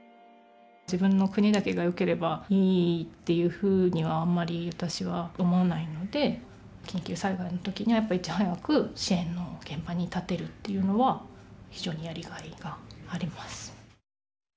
自分の国だけがよければいいっていうふうにはあんまり私は思わないので緊急災害の時にはやっぱいち早く支援の現場に立てるっていうのは非常にやりがいがあります。